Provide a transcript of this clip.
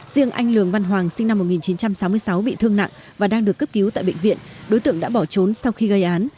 riêng anh lường văn hoàng sinh năm một nghìn chín trăm sáu mươi sáu bị thương nặng và đang được cấp cứu tại bệnh viện đối tượng đã bỏ trốn sau khi gây án